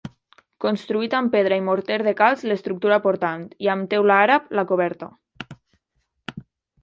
Construït amb pedra i morter de calc, l'estructura portant, i amb teula àrab, la coberta.